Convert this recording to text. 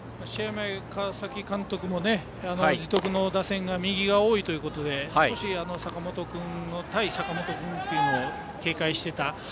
前、川崎監督も樹徳の打線が右が多いということで少し、対坂本君というのを警戒していた。